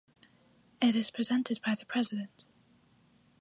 It is presented by the president.